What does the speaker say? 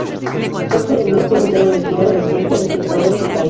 Es columnista invitado de El Tiempo, El Espectador y El País.